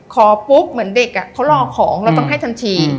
ขอปุ๊บเหมือนเด็กเขารอของเราต้องให้ทันที